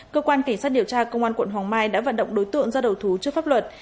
cơ quan cảnh sát điều tra công an quận hoàng mai đã vận động đối tượng ra đầu thú trước pháp luật